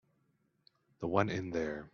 The one in there.